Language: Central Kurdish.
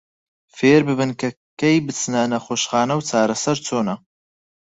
فێرببن کە کەی بچنە نەخۆشخانە و چارەسەر چۆنە.